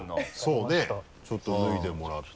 そうねちょっと脱いでもらって。